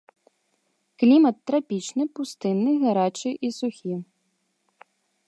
Клімат трапічны, пустынны, гарачы і сухі.